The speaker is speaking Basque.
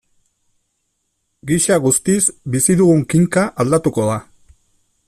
Gisa guztiz, bizi dugun kinka aldatuko da.